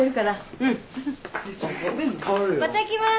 うん。また来ます。